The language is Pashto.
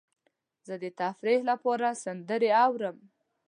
زه د تفریح لپاره سندرې اورم.